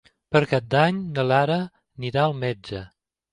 Per Cap d'Any na Lara anirà al metge.